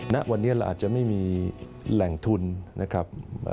ณวันนี้เราอาจจะไม่มีแหล่งทุนนะครับ